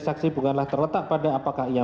saksi bukanlah terletak pada apakah ia